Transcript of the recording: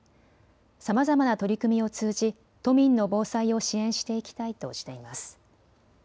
さまざまな取り組みを通じ都民の防災を支援していきたいとしています。